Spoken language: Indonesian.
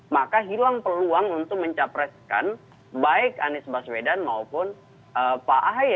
maka hilang peluang untuk mencapreskan baik anies baswedan maupun pak ahy